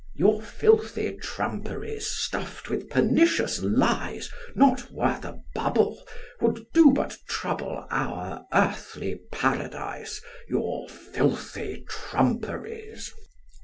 Your filthy trumperies Stuffed with pernicious lies (Not worth a bubble), Would do but trouble Our earthly paradise, Your filthy trumperies.